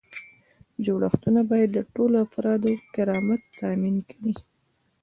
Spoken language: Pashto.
جوړښتونه باید د ټولو افرادو کرامت تامین کړي.